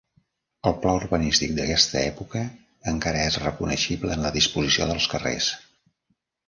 El pla urbanístic d'aquesta època encara és reconeixible en la disposició dels carrers.